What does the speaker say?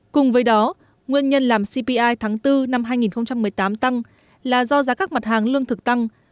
cùng với đó nguyên nhân làm cpi tháng bốn năm hai nghìn một mươi tám tăng là do giá các mặt hàng lương thực tăng